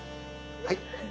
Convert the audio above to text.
はい。